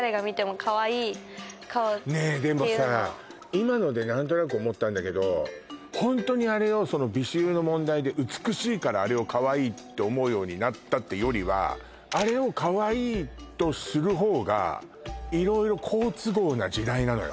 今ので何となく思ったんだけどホントにあれをその美醜の問題で美しいからあれをカワイイって思うようになったってよりはあれをカワイイとする方が色々好都合な時代なのよ